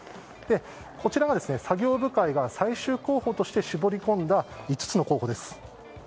こちらが作業部会が最終候補として絞り込んだ５つの候補です。